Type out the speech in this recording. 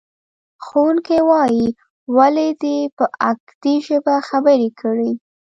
ښوونکی وایي، ولې دې په اکدي ژبه خبرې کړې؟